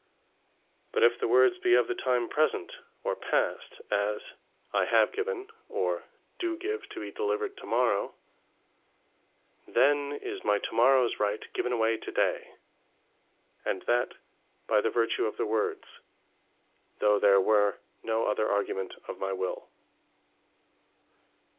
But if the words be of the time Present, or Past, as, "I have given, or do give to be delivered to morrow," then is my to morrows Right given away to day; and that by the vertue of the words, though there were no other argument of my will.